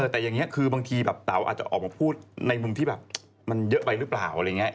แต่อย่างนี้คือบางทีแบบเต๋าอาจจะออกมาพูดในมุมที่แบบมันเยอะไปหรือเปล่าอะไรอย่างนี้